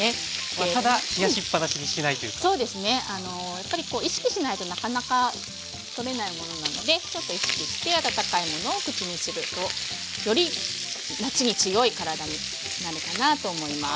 やっぱりこう意識しないとなかなかとれないものなのでちょっと意識して温かいものを口にするとより夏に強い体になるかなと思います。